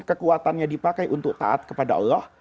kekuatannya dipakai untuk taat kepada allah